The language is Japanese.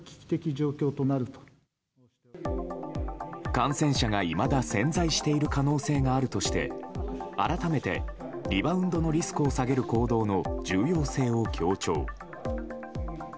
感染者が、いまだ潜在している可能性があるとして改めて、リバウンドのリスクを下げる行動の重要性を強調。